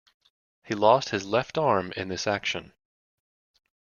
He lost his left arm in this action.